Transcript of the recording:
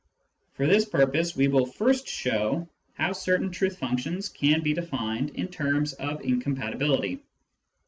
For this purpose we will first show how certain truth functions can be defined in terms of incompatibility.